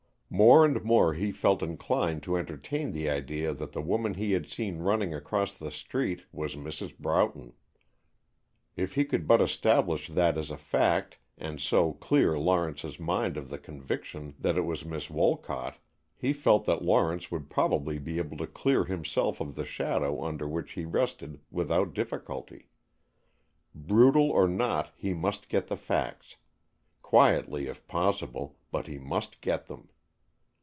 More and more he felt inclined to entertain the idea that the woman he had seen running across the street was Mrs. Broughton. If he could but establish this as a fact and so clear Lawrence's mind of the conviction that it was Miss Wolcott, he felt that Lawrence would probably be able to clear himself of the shadow under which he rested without difficulty. Brutal or not, he must get the facts, quietly if possible, but he must get them.